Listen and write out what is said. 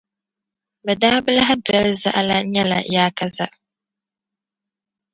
bɛ daa bi lan doli zaɣila nyɛla yaakaza.